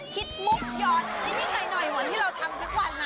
คิดมุขยอนอย่าง๑๙๖๐หน่อยว่าที่เราทำทั้งวัน